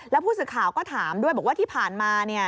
แล้วผู้สื่อข่าวก็ถามด้วยบอกว่าที่ผ่านมา